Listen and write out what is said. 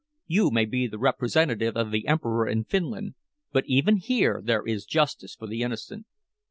You may be the representative of the Emperor in Finland, but even here there is justice for the innocent."